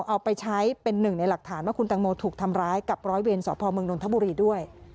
เอาไปใช้เป็นหนึ่งในหลักฐานว่าคุณตังโมถูกทำร้ายกับร้อยเวรสพเมืองนทบุรีด้วย